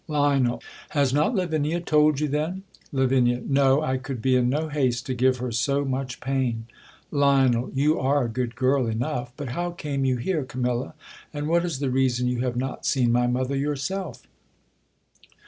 Lion, Has not Lavinia told you, then ? Lav. No ; I could be in no haste to give her s# much pain. Lio?i. You are a good girl enough. But how came you" here, Camilla ? and what is the reason you have rjot seen my mother yourself?